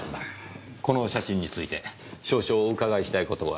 この写真について少々お伺いしたい事が。